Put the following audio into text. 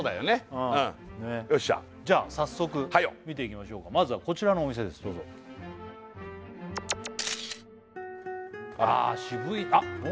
うんよっしゃじゃあ早速見ていきましょうかまずはこちらのお店ですどうぞああ渋い